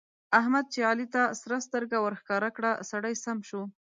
احمد چې علي ته سره سترګه ورښکاره کړه؛ سړی سم شو.